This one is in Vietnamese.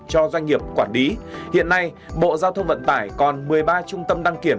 cho doanh nghiệp quản lý hiện nay bộ giao thông vận tải còn một mươi ba trung tâm đăng kiểm